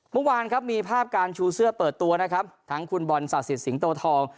เมื่อวานครับมีภาพการชูเสื้อเปิดตัวนะครับทั้งคุณบอลศาสิทธสิงโตทอง